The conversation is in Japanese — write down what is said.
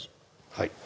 はい